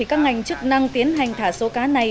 các ngành chức năng tiến hành thả số cá này